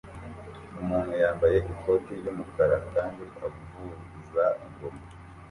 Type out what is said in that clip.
Umuntu yambaye ikoti ry'umukara kandi avuza ingoma